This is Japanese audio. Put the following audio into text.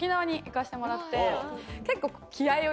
結構。